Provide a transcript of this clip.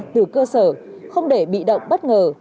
từ cơ sở không để bị động bất ngờ